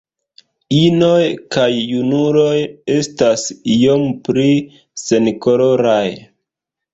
Inoj kaj junuloj estas iom pli senkoloraj.